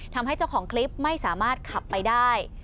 ทำให้เจ้าของคลิปไม่สามารถขับไปได้